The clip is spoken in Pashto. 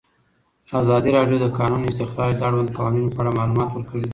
ازادي راډیو د د کانونو استخراج د اړونده قوانینو په اړه معلومات ورکړي.